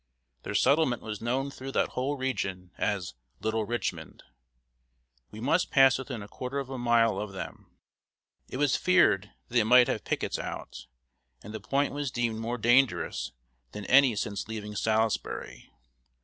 Their settlement was known through that whole region as "Little Richmond." We must pass within a quarter of a mile of them. It was feared that they might have pickets out, and the point was deemed more dangerous than any since leaving Salisbury.